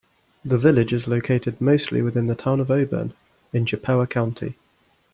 The village is located mostly within the Town of Auburn in Chippewa County.